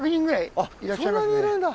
あっそんなにいるんだ。